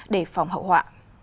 để phòng hậu họa